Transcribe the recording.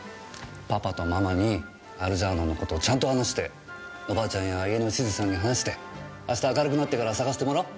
パパとママにアルジャーノンの事をちゃんと話しておばあちゃんや家の執事さんに話して明日明るくなってから捜してもらおう。